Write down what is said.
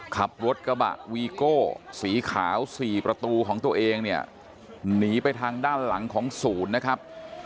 ขับรถกระบะวีโก้สีขาว๔ประตูของตัวเองเนี่ยหนีไปทางด้านหลังของศูนย์นะครับ